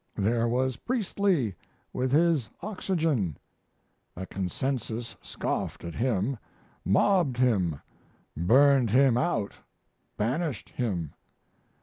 There was Priestley, with his oxygen: a Consensus scoffed at him, mobbed him, burned him out, banished him.